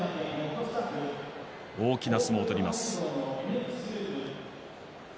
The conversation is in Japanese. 大きな相撲を取ります。